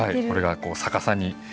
これが逆さに。